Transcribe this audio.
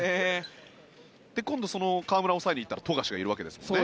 今度河村を抑えに行ったら富樫がいるわけですからね。